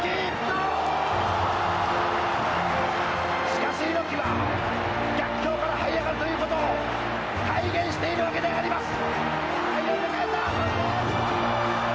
しかし、猪木は逆境から這い上がることを体現しているわけであります！